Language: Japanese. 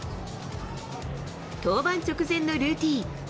登板直前のルーティーン。